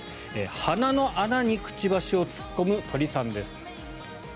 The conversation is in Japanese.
鼻の穴にくちばしを突っ込む鳥さんです。